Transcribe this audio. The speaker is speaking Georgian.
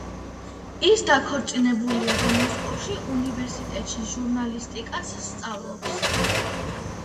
ის დაქორწინებულია და მოსკოვში უნივერსიტეტში ჟურნალისტიკას სწავლობს.